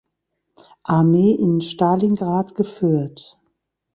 Armee in Stalingrad geführt.